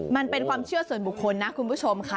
มันเป็นความเชื่อส่วนบุคคลนะคุณผู้ชมค่ะ